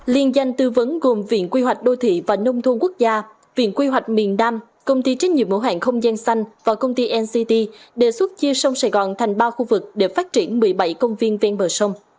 liên danh tư vấn gồm viện quy hoạch đô thị và nông thôn quốc gia viện quy hoạch miền nam công ty trách nhiệm mẫu hạng không gian xanh và công ty nct đề xuất chia sông sài gòn thành ba khu vực để phát triển một mươi bảy công viên ven bờ sông